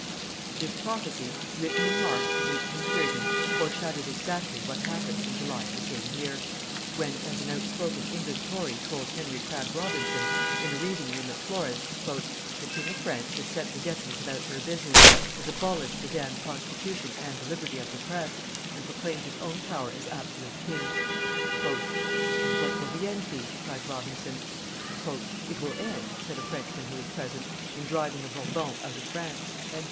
This prophecy, written in March, 1830, foreshadowed exactly what happened in July of the same year, when, as an outspoken English Tory told Henry Crabb Robinson, in a reading room at Florence: "The king of France has sent the deputies about their business, has abolished the d d Constitution and the liberty of the Press, and proclaimed his own power as absolute king." "And what will the end be?" cried Robinson. "It will end," said a Frenchman who was present, "in driving the Bourbons out of France!"